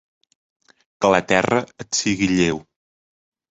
Que la terra et sigui lleu.